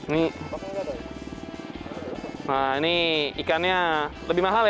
nah ini ikannya lebih mahal ya